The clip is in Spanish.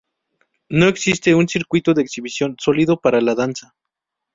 No existe un circuito de exhibición sólido para la danza.